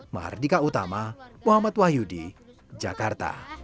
mahardika utama muhammad wahyudi jakarta